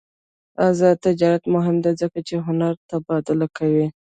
آزاد تجارت مهم دی ځکه چې هنر تبادله کوي.